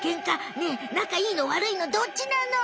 ねえなかいいのわるいのどっちなの？